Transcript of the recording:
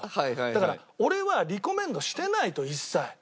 だから俺はリコメンドしてないと一切。